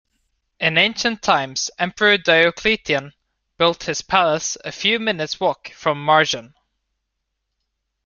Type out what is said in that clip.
In ancient times Emperor Diocletian built his palace a few minutes walk from Marjan.